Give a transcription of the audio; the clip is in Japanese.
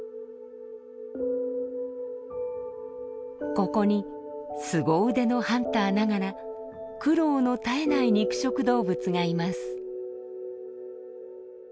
ここにすご腕のハンターながら苦労の絶えない肉食動物がいます。